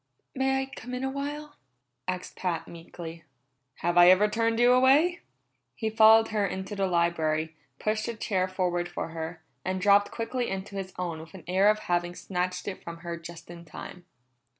"May I come in a while?" asked Pat meekly. "Have I ever turned you away?" He followed her into the library, pushed a chair forward for her, and dropped quickly into his own with an air of having snatched it from her just in time.